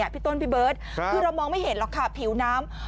พี่ต้นพี่เบิร์ตคือเรามองไม่เห็นหรอกค่ะผิวน้ำ